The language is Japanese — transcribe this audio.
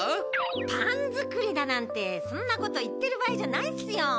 パン作りだなんてそんなこと言ってる場合じゃないっすよ。